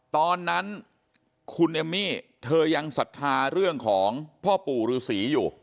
ตอนนั้นคุณเอมมี่เธอยังศรัทธาเรื่องของพ่อปู่ฤษีอยู่